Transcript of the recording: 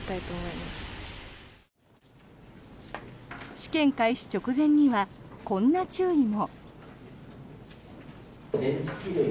試験開始直前にはこんな注意も。